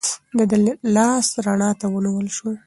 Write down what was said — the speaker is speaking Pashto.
د ده لاس رڼا ته ونیول شو.